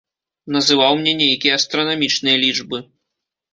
Называў мне нейкія астранамічныя лічбы.